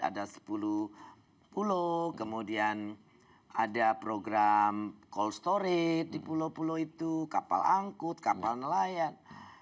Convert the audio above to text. ada sepuluh pulau kemudian ada program cold storage di pulau pulau itu kapal angkut kapal nelayan